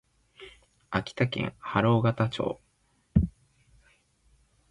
秋田県八郎潟町